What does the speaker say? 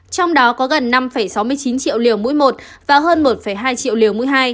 trong đó có gần năm sáu mươi chín triệu liều mũi một và hơn một hai triệu liều